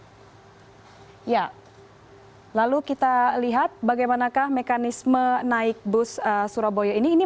ya lalu kita lihat bagaimanakah mekanisme naik bus surabaya ini